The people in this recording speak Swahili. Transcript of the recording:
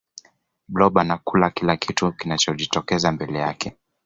blob anakula kila kitu kinachojitokeza mbele yake